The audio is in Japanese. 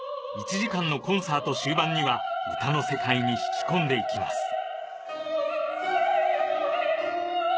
１時間のコンサート終盤には歌の世界にひき込んでいきます